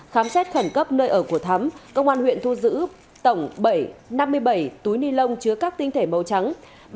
khám xét khẩn cấp nơi ở của thắm công an huyện thu giữ tổng bảy năm mươi bảy túi nilon chứa các tinh thể màu trắng